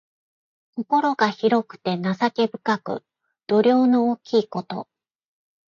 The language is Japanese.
心が広くて情け深く、度量の大きいこと。